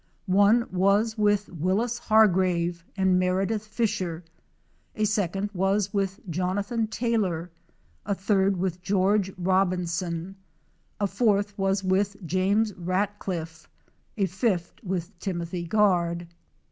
One was with Willis Hargrave and Meredith Fisher, a second was with Jonathan Taylor, a third with George Robinson, a fourth was with James Ratcliff, a fifth with Tim othy Guard.